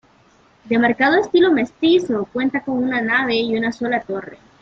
De marcado estilo mestizo, cuenta con una nave y una sola torre.